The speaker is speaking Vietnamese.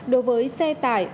đối với xe tải